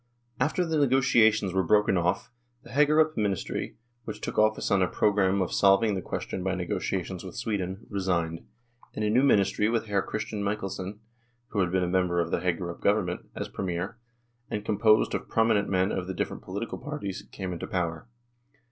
After the negotiations were broken off, the Hagerup ministry, which took office on a programme of solving the question by negotiations with Sweden, resigned, and a new ministry with Hr. Christian Michelsen (who had been a member of the Hagerup Government) as Premier, and composed of prominent men of the different political parties, came into power.